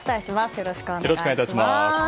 よろしくお願いします。